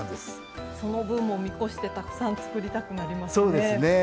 その分も見越してたくさん作りたくなりますね。